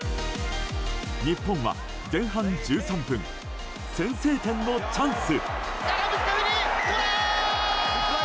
日本は前半１３分先制点のチャンス。